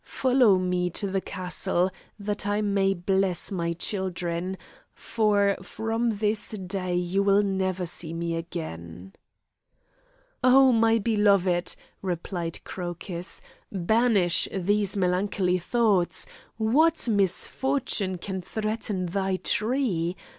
Follow me to the castle, that I may bless my children, for from this day you will never see me again." "Oh, my beloved," replied Crocus, "banish these melancholy thoughts! What misfortune can threaten thy tree?